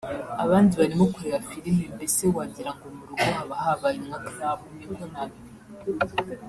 abandi barimo kureba filime mbese wagira ngo mu rugo haba habaye nka club niko nabivuga